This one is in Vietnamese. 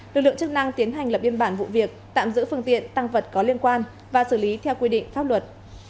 lực lượng chức năng tiến hành lập biên bản vụ việc tạm giữ phương tiện tăng vật có liên quan và xử lý theo quy định pháp luật